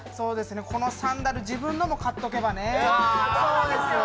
このサンダル、自分のも買っておけばね。